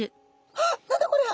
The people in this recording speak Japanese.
あ何だこりゃ？